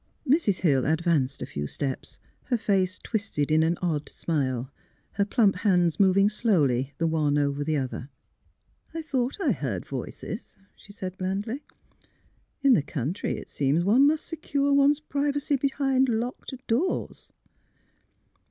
Mrs. Hill advanced a few steps, her face twisted in an odd smile, her plump hands moving slowly the one over the other. " I thought I heard voices," she said, blandly. " In the country, it seems, one must secure one's privacy behind locked doors."